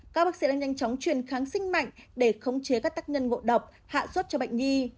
cao bác sĩ đang nhanh chóng truyền kháng sinh mạnh để khống chế các tác nhân ngộ độc hạ xuất cho bệnh nhi